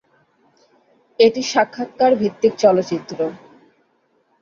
এটি সাক্ষাৎকার ভিত্তিক চলচ্চিত্র।